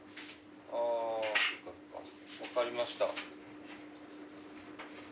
分かりました。